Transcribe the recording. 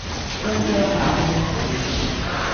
一張瓦通紙